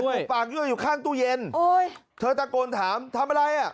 จูบปากด้วยอยู่ข้างตู้เย็นเธอตะโกนถามทำอะไรอ่ะ